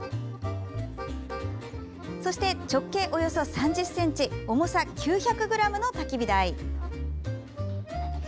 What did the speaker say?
そして、直径およそ３０ｃｍ重さ９００ｇのたき火台。